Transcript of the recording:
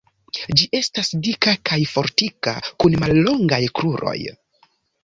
Ĝi estas dika kaj fortika kun mallongaj kruroj.